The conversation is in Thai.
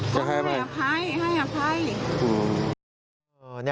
ก็ให้อภัย